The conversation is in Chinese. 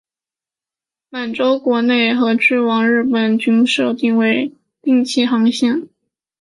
满洲国国内和去往日本均设为定期航线。